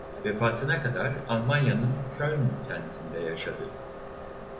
Vefatına kadar Almanya'nın Köln kentinde yaşadı.